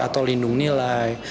atau lindung nilai